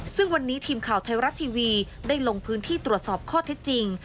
ซึ่งวันนี้ทีมข่าวไทยรัฐทีวีได้ลงพื้นที่ตรวจสอบข้อเท็จจริง